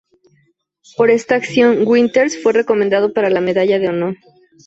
Por esta acción, Winters fue recomendado para la Medalla de Honor.